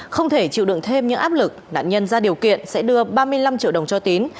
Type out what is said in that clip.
không thể chịu đựng thêm những áp lực nạn nhân ra điều kiện sẽ đưa ba mươi năm triệu đồng cho tín